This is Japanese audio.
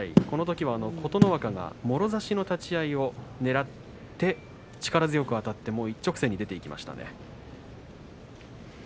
このときは琴ノ若がもろ差しの立ち合いをねらって力強くあたって一直線に出ていきましたね。